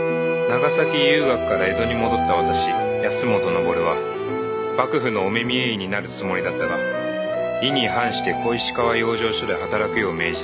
長崎遊学から江戸に戻った私保本登は幕府のお目見え医になるつもりだったが意に反して小石川養生所で働くよう命じられた。